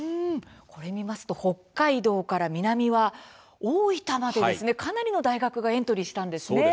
これを見ますと北海道から南は大分までかなりの大学がエントリーしたんですね。